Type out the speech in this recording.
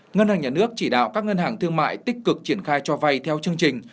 ngân hàng nhà nước chỉ đạo các ngân hàng thương mại tích cực triển khai cho vay theo chương trình